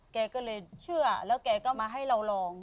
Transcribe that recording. แกก็เลยเชื่อแล้วแกก็มาให้เราลอง